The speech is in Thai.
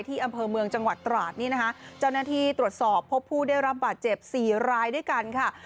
อำเภอเมืองจังหวัดตราดนี่นะคะเจ้าหน้าที่ตรวจสอบพบผู้ได้รับบาดเจ็บสี่รายด้วยกันค่ะ